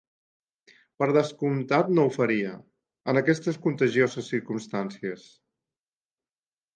Per descomptat no ho faria, en aquestes contagioses circumstàncies.